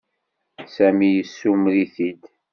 Sami yessumer-it-id.